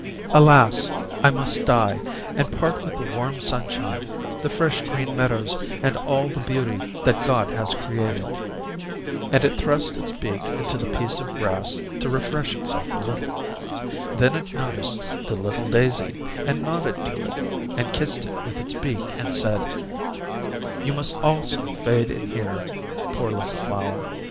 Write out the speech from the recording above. Alas! I must die, and part with the warm sunshine, the fresh green meadows, and all the beauty that God has created." And it thrust its beak into the piece of grass, to refresh itself a little. Then it noticed the little daisy, and nodded to it, and kissed it with its beak and said: "You must also fade in here, poor little flower.